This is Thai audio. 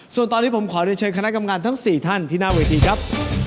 ส่วนตอนนี้ผมขอได้เชิญคณะกรรมการทั้ง๔ท่านที่หน้าเวทีครับ